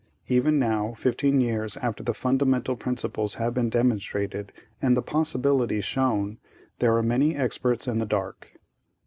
Even now, fifteen years after the fundamental principles have been demonstrated and the possibilities shown, there are many experts in the dark.